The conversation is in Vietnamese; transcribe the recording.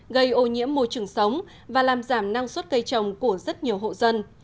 gây ô nhiễm môi trường sống và làm giảm năng suất cây trồng của rất nhiều hộ dân